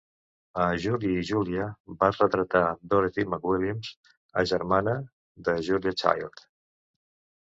A "Julie i Julia", va retratar Dorothy McWilliams, a germana de Julia Child.